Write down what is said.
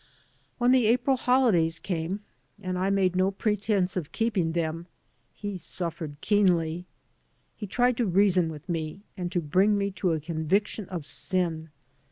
When the April holidays came and I made no pretense of keeping them, he suflFered keenly. He tried to reason with me and to bring me to a conviction of sin.